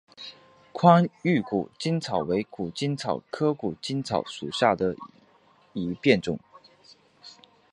宽玉谷精草为谷精草科谷精草属下的一个变种。